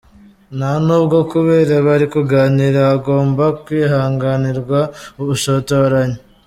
Nta nubwo kubera bari kuganira hagomba kwihanganirwa ubushotoranyi.